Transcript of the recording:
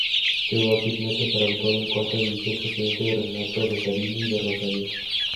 Llegó a Gimnasia para actuar en cuarta división procedente de Renato Cesarini de Rosario.